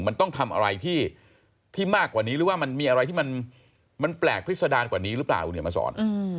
มันต้องทำอะไรที่มากกว่านี้หรือว่ามันมีอะไรที่มันแปลกพิษดารกว่านี้หรือเปล่าคุณเหนียวมาสอน